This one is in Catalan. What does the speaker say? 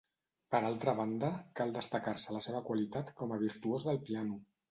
Per altra banda, cal destacar-se la seva qualitat com a virtuós del piano.